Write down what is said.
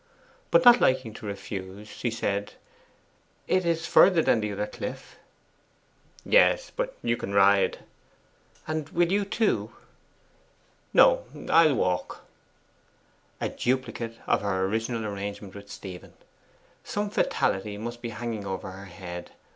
But not liking to refuse, she said, 'It is further than the other cliff.' 'Yes; but you can ride.' 'And will you too?' 'No, I'll walk.' A duplicate of her original arrangement with Stephen. Some fatality must be hanging over her head.